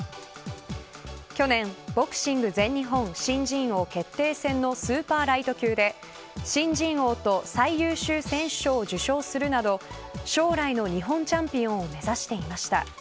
去年、ボクシング全日本新人王決定戦のスーパーライト級で新人王と最優秀選手賞を受賞するなど将来の日本チャンピオンを目指していました。